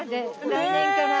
来年かな。